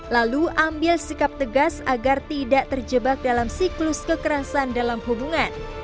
lalu ambil sikap tegas agar tidak terjebak dalam siklus kekerasan dalam hubungan